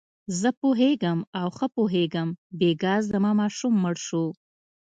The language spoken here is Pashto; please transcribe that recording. زه پوهېږم او ښه پوهېږم، بېګا زما ماشوم مړ شو.